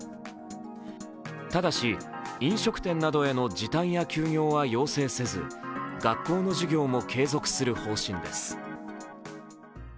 ただし、飲食店などへの時短や休業は要請せず学校の授業も継続する方針です。